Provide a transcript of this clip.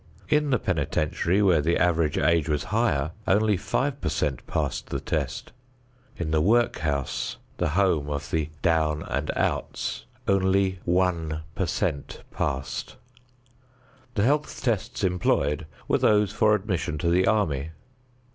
In the penitentiary, where the average age was higher, only five per cent passed the test. In the work house the home of the "down and outs" only one per cent passed. The health tests employed were those for admission to the army.